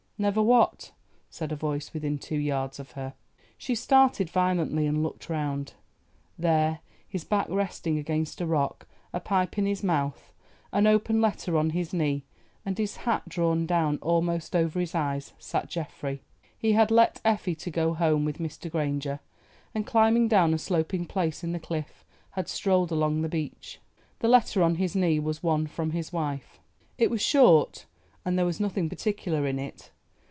"Never what?" said a voice, within two yards of her. She started violently, and looked round. There, his back resting against a rock, a pipe in his mouth, an open letter on his knee, and his hat drawn down almost over his eyes, sat Geoffrey. He had left Effie to go home with Mr. Granger, and climbing down a sloping place in the cliff, had strolled along the beach. The letter on his knee was one from his wife. It was short, and there was nothing particular in it.